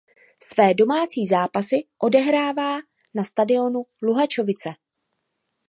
Své domácí zápasy odehrává na stadionu Luhačovice.